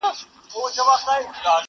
اوبه کړی مو په وینو دی ګلشن خپل!!